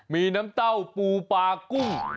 มีน้ำเต้าปูปลากุ้ง